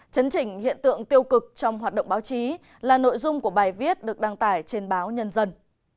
chấn chỉnh hiện tượng tiêu cực trong hoạt động báo chí là nội dung của bài viết được đăng tải trên báo nhân dân